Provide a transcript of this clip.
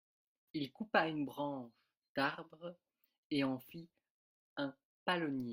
Il coupa une branche d'arbre et en fit un palonnier.